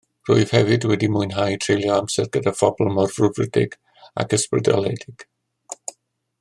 Rwyf hefyd wedi mwynhau treulio amser gyda phobl mor frwdfrydig ac ysbrydoledig